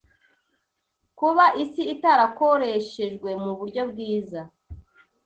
kuba isi itarakoreshejwe mu buryo bwiza